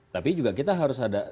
tapi juga kita harus ada